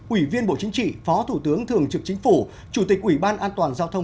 ủy viên bộ chính trị phó thủ tướng thường trực chính phủ chủ tịch ủy ban an toàn giao thông